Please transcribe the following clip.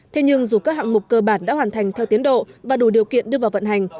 thế nhưng dù các hạng mục cơ bản đã hoàn thành theo tiến độ và đủ điều kiện đưa vào vận hành